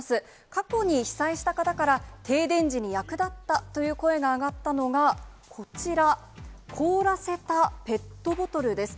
過去に被災した方から、停電時に役立ったという声が上がったのが、こちら、凍らせたペットボトルです。